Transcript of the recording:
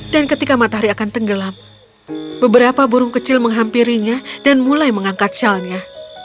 dan ketika matahari akan tenggelam beberapa burung kecil menghampirinya dan mulai mengangkat shalnya